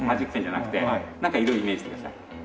なんか色をイメージしてください。